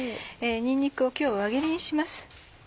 にんにくを今日は輪切りにします。